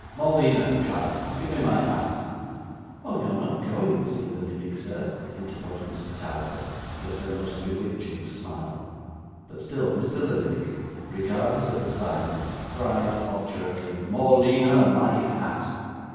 'Morleena, child give me my hat.' 'Oh, you're not going, Mr. Lillyvick, sir,' interposed Miss Petowker, with her most bewitching smile. But still Mr. Lillyvick, regardless of the siren, cried obdurately, 'Morleena, my hat!